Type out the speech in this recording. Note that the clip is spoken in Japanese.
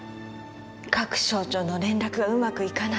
各省庁の連絡がうまくいかない。